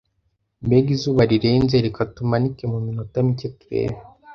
Mbega izuba rirenze! Reka tumanike muminota mike turebe